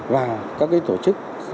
và các tổ chức